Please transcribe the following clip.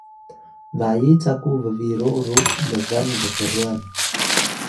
bayi caku bbiru ru lban bbrwan